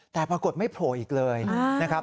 แต่ปรากฏไม่โผล่อีกเลยนะครับ